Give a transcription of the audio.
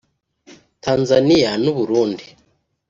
Tanzaniya n’u Burundi